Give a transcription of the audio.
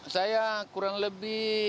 saya kurang lebih